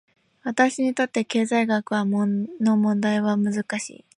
私にとって、経済学の問題は難しい。